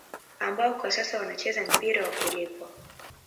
Ambao kwa sasa wanacheza mpira wa kulipwa